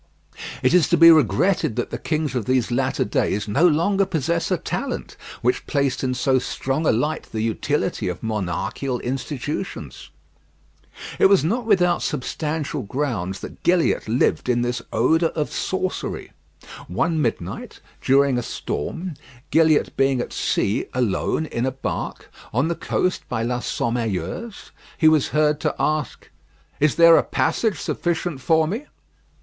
It is to be regretted that the kings of these latter days no longer possess a talent which placed in so strong a light the utility of monarchical institutions. It was not without substantial grounds that Gilliatt lived in this odour of sorcery. One midnight, during a storm, Gilliatt being at sea alone in a bark, on the coast by La Sommeilleuse, he was heard to ask "Is there a passage sufficient for me?"